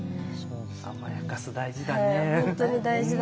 甘やかす大事だね。